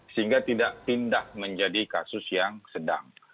sehingga tidak pindah menjadi kasus yang sedang